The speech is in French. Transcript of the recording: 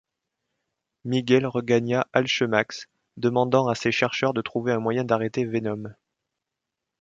Miguel regagna Alchemax, demandant à ses chercheurs de trouver un moyen d’arrêter Venom.